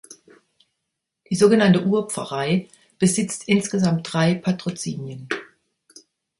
Die sogenannte Urpfarrei besitzt insgesamt drei Patrozinien.